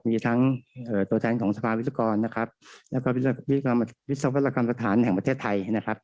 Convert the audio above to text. มีทั้งตัวแทนของสภาวิศกรนะครับแล้วก็วิศวกรรมสถานแห่งประเทศไทยนะครับ